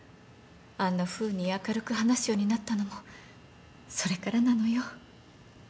あんなふうに明るく話すようになったのもそれからなのよ。